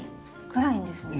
暗いんですね。